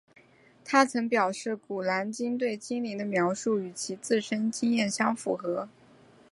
她曾表示古兰经对精灵的描述与其自身经验相符合。